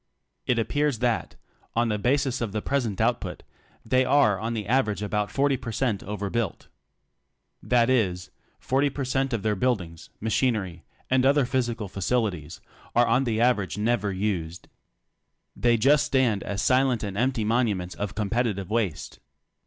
It appears that, on the basis of the present output, they are on the aver age about 40 per cent over built. That is, 40 per cent of their buildings, machinery and other physical facilities are on the average never used. They just stand as silent and empty monuments of competitive waste.